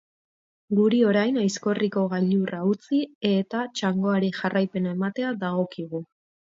Guri, orain, Aizkorriko gailurra utzi eta txangoari jarraipena ematea dagokigu.